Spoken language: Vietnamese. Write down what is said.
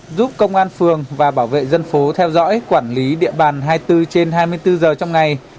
giúp công an phường và bảo vệ dân phố theo dõi quản lý địa bàn hai mươi bốn trên hai mươi bốn giờ trong ngày